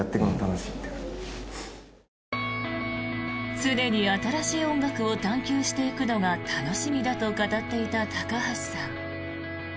常に新しい音楽を探求していくのが楽しみだと語っていた高橋さん。